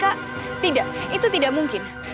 sebab ditugaskan oleh pak kiai untuk menjemput mahardika